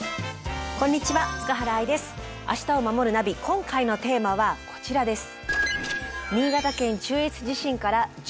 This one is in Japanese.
今回のテーマはこちらです。